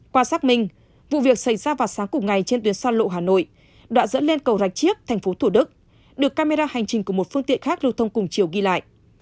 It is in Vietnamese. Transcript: qua xác minh vụ việc xảy ra vào sáng cùng ngày trên tuyến san lộ hà nội đoạn dẫn lên cầu rạch chiếc tp thủ đức được camera hành trình của một phương tiện khác lưu thông cùng chiều ghi lại